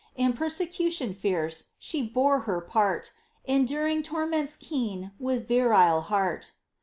In persecution fierce She bore her part, Enduring torments keen With virile heart